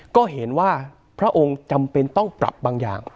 ก็เห็นว่าพระองค์จำเป็นต้องปรับบางอย่าง